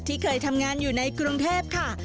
เคยทำงานอยู่ในกรุงเทพค่ะ